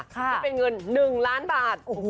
ที่เป็นเงิน๑ล้านบาท